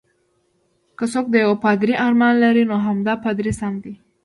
که څوک د یو پادري ارمان لري، نو همدا پادري سم دی.